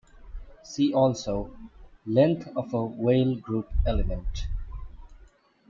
See also: length of a Weyl group element.